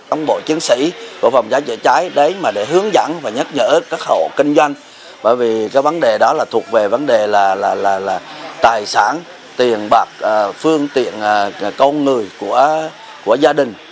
ông bộ chiến sĩ của phòng cháy chữa cháy đến mà để hướng dẫn và nhắc nhở các hộ kinh doanh bởi vì cái vấn đề đó là thuộc về vấn đề là tài sản tiền bạc phương tiện con người của gia đình